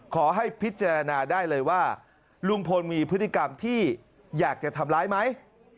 ขอให้พิจารณาได้เลยว่าลุงพลมีพฤติกรรมที่อยากจะทำร้ายไหม